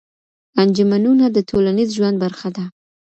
انجمنونه د ټولنيز ژوند برخه ده.